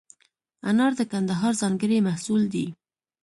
انار د کندهار ځانګړی محصول دی.